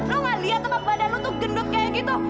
lo gak liat tempat badan lo tuh gendut kayak gitu